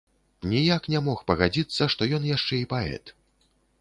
Ніяк не мог пагадзіцца, што ён яшчэ і паэт.